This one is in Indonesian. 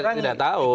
kita tidak tahu